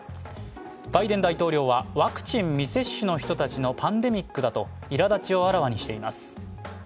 バイデン大統領はワクチン未接種の人たちのパンデミックだといら立ちをあらわにしています。